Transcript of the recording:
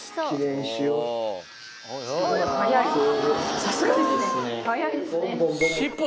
早いさすがですね。